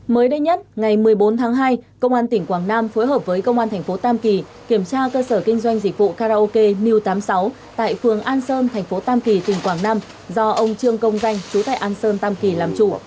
mới đây nhất ngày một mươi bốn tháng hai công an tỉnh quảng nam phối hợp với công an thành phố tam kỳ kiểm tra cơ sở kinh doanh dịch vụ karaoke new tám mươi sáu tại phường an sơn thành phố tam kỳ tỉnh quảng nam do ông trương công danh chú tại an sơn tam kỳ làm chủ